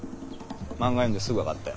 漫画読んですぐ分かったよ。